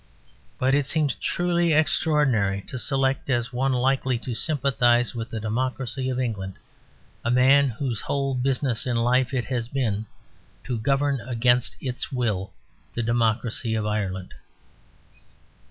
But it seems truly extraordinary to select as one likely to sympathise with the democracy of England a man whose whole business in life it has been to govern against its will the democracy of Ireland.